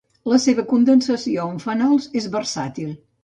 La seva condensació amb fenols és versàtil.